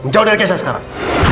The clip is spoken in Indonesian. jauh dari keisha sekarang